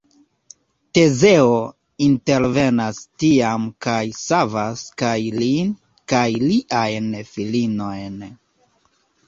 Tezeo intervenas tiam kaj savas kaj lin kaj liajn filinojn.